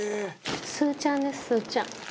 「スーちゃんですスーちゃん」